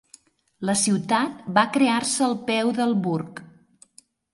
La ciutat va crear-se al peu del burg.